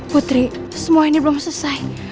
putri semua ini belum selesai